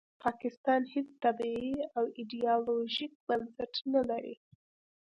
پاکستان هیڅ طبیعي او ایډیالوژیک بنسټ نلري